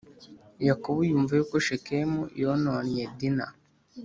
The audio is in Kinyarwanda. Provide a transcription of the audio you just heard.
Yakobo yumva yuko Shekemu yononnye Dina